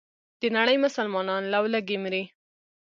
دنړۍ مسلمانان له ولږې مري.